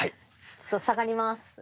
ちょっと下がります。